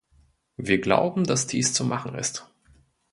Wir glauben, dass dies zu machen ist.